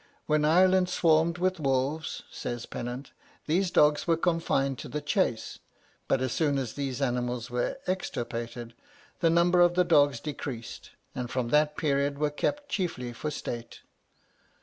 'When Ireland swarmed with wolves,' says Pennant, 'these dogs were confined to the chase; but as soon as these animals were extirpated, the number of the dogs decreased, and from that period were kept chiefly for state.'